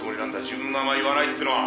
自分の名前言わないっていうのは。